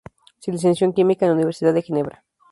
Se licenció en Química en la Universidad de Ginebra.